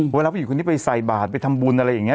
เวลาผู้หญิงคนนี้ไปใส่บาทไปทำบุญอะไรอย่างนี้